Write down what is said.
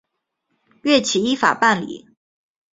岳起依法办理。